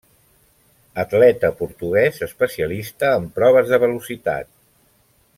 Atleta portuguès especialista en proves de velocitat.